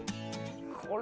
これ。